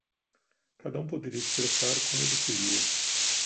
Cada um poderia expressar como ele queria.